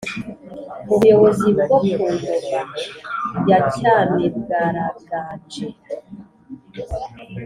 ubuyobozi bwoku Ngoma yacyamibwaraganje